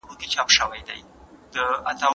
د ساینسپوه په څېر جزیات بیان کړه.